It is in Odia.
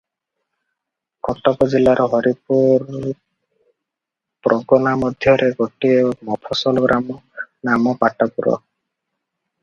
କଟକ ଜିଲାର ହରିହରପୁର ପ୍ରଗନା ମଧ୍ୟରେ ଗୋଟିଏ ମଫସଲ ଗ୍ରାମ, ନାମ ପାଟପୁର ।